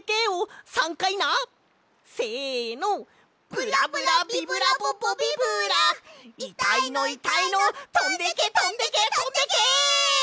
ブラブラビブラボボビブラいたいのいたいのとんでけとんでけとんでけ！